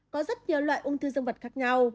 có rất nhiều loại ung thư dân vật khác nhau